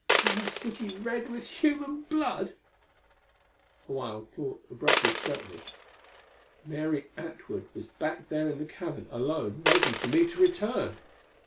And our city red with human blood!" A wild thought abruptly swept me. Mary Atwood was back there in the cavern, alone, waiting for me to return!